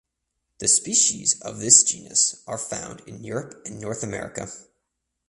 The species of this genus are found in Europe and Northern America.